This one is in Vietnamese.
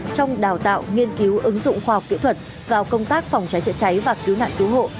trong đào tạo nghiên cứu ứng dụng khoa học kỹ thuật vào công tác phòng cháy chữa cháy và cứu nạn cứu hộ